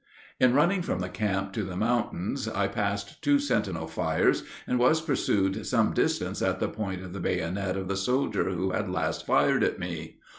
In running from the camp to the mountains I passed two sentinel fires, and was pursued some distance at the point of the bayonet of the soldier who had last fired at me.